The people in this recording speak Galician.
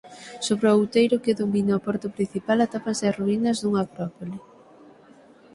Sobre o outeiro que domina o porto principal atópanse as ruínas dunha acrópole.